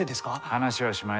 話はしまいだ。